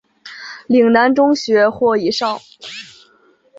岭南中学或以上。